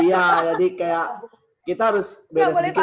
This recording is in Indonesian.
iya jadi kayak kita harus beda sedikit